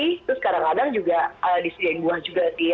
terus kadang kadang juga disediain buah juga